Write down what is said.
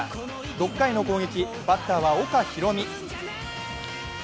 ６回の攻撃、バッターは岡大海。